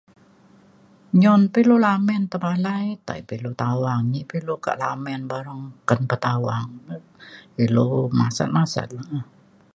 menyun pa ilu lamin tepalai tai pa ilu tawang nyi pa ilu kak lamin bareng meken pe tawang ilu masat masat la